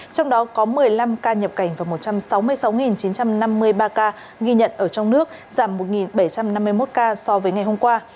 trong đó có một mươi năm ca nhập cảnh và một trăm sáu mươi sáu chín trăm năm mươi ba ca ghi nhận ở trong nước giảm một bảy trăm năm mươi một ca so với ngày hôm qua